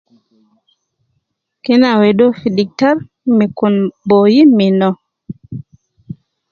Kena wedi uwo fi diktar me kun boyi min uwo